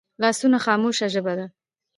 لاسونه خاموشه ژبه ده